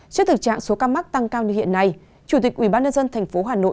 trên thực trạng số ca mắc tăng cao như hiện nay chủ tịch ủy ban nhân dân thành phố hà nội